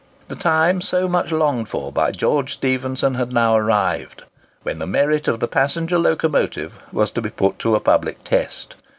The time so much longed for by George Stephenson had now arrived, when the merit of the passenger locomotive was to be put to a public test.